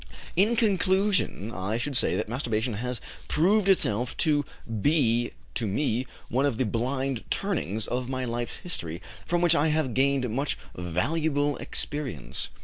"In conclusion, I should say that masturbation has proved itself to be to me one of the blind turnings of my life's history, from which I have gained much valuable experience."